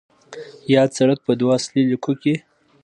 یاد سړک په دوو اصلي لیکو کې